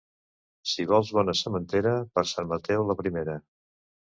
Si vols bona sementera, per Sant Mateu la primera.